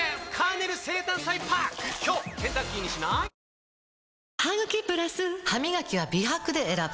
本麒麟ハミガキは美白で選ぶ！